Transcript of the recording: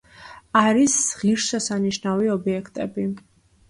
არის ღირსშესანიშნავი ობიექტები.